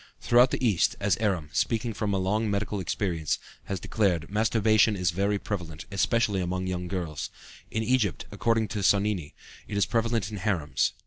Throughout the East, as Eram, speaking from a long medical experience, has declared, masturbation is very prevalent, especially among young girls. In Egypt, according to Sonnini, it is prevalent in harems.